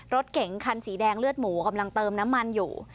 รถเก๋งคันสีแดงเลือดหมูกำลังเติมน้ำมันอยู่